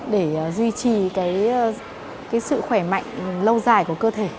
để duy trì sự khỏe mạnh lâu dài của cơ thể